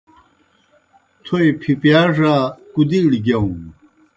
تھوئے پِھپِیا ڙا کُدِیڑ گِیاؤن؟